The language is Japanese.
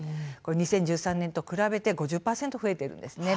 ２０１３年と比べて５０％増えているんです。